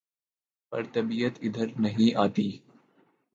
پر طبیعت ادھر نہیں آتی